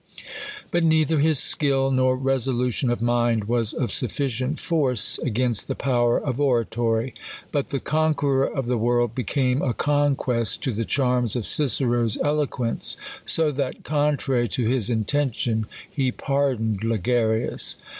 But neither his skill, nor resolution of mind, was of sufficient force against tiie power of oratory ; but the conqueror of the world became a conquest to the charms of Cicero's eloquence ; so that, contrary to his inten tion, he pardoned Ligarius.